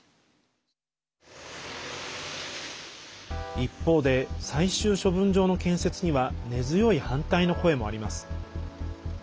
一方で、最終処分場の建設には根強い反対の声もあります。